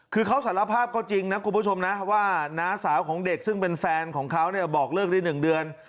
คือเขาสารภาพก็จริงนะคุณผู้ชมนะว่าน้าสาวของเด็กซึ่งเป็นแฟนของเขาเนี่ยบอกเลิกได้๑เดือน